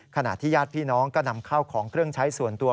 ขณะที่ญาติพี่น้องก็นำเข้าของเครื่องใช้ส่วนตัว